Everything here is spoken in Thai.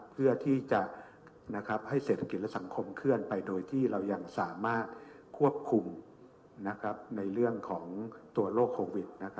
เพื่อที่จะให้เศรษฐกิจและสัมคมเคลื่อนไปโดยที่เรายังสามารถควบคุม